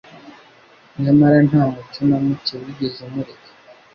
nyamara nta mucyo na muke wigeze umurika